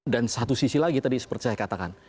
dan satu sisi lagi tadi seperti saya katakan